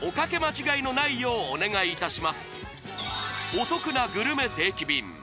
お得なグルメ定期便